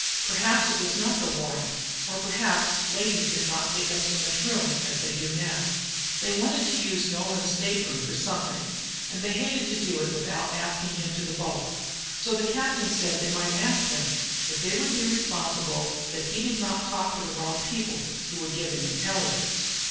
Perhaps it was not the "Warren," or perhaps ladies did not take up so much room as they do now. They wanted to use Nolan's state room for something, and they hated to do it without asking him to the ball; so the captain said they might ask him, if they would be responsible that he did not talk with the wrong people, "who would give him intelligence."